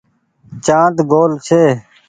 چآند گول ڇي ۔